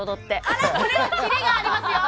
あらこれはキレがありますよ。